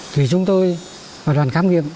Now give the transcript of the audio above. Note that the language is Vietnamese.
thì chúng tôi và đoàn khám nghiệm